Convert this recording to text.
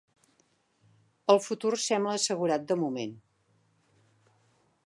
El futur sembla assegurat de moment.